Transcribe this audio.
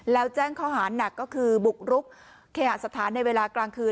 แล้วแจ้งข้อหาหนักก็คือบุกรุกเคหาสถานในเวลากลางคืน